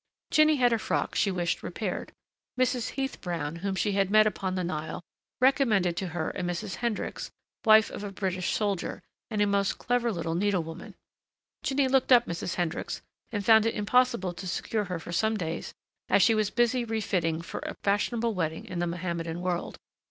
Jinny had a frock she wished repaired. Mrs. Heath Brown, whom she had met upon the Nile, recommended to her a Mrs. Hendricks, wife of a British soldier and a most clever little needle woman. Jinny looked up Mrs. Hendricks and found it impossible to secure her for some days as she was busy refitting for a fashionable wedding in the Mohammedan world.